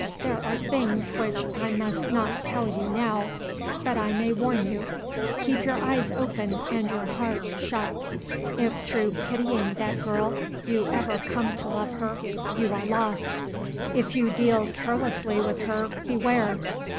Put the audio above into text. There are things which I must not tell you now; but I may warn you. Keep your eyes open and your heart shut. If, through pitying that girl, you ever come to love her, you are lost. If you deal carelessly with her, beware!